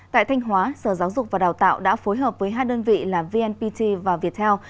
tại thanh hóa sở giáo dục và đào tạo đã phối hợp với hai đơn vị là vnpt và viettel